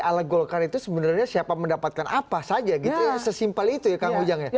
ala golkar itu sebenarnya siapa mendapatkan apa saja gitu sesimpel itu ya kang ujang ya